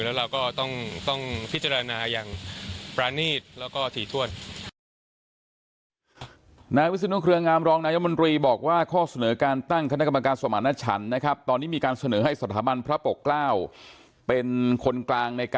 แล้วก็ต้องพิจารณาอย่างประณีตและถี่ทวด